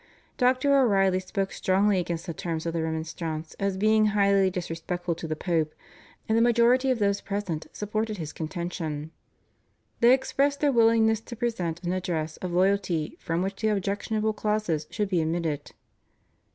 Dr. O'Reilly spoke strongly against the terms of the Remonstrance as being highly disrespectful to the Pope, and the majority of those present supported his contention. They expressed their willingness to present an address of loyalty from which the objectionable clauses should be omitted.